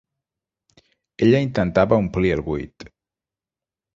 Ella intentava omplir el buit.